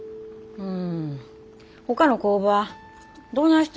うん。